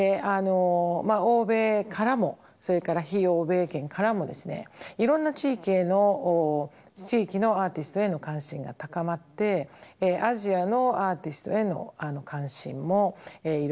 欧米からもそれから非欧米圏からもですねいろんな地域のアーティストへの関心が高まってアジアのアーティストへの関心もいろいろなところから高まっていました。